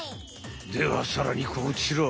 ではさらにこちら！